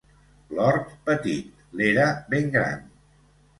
L'hort, petit; l'era, ben gran.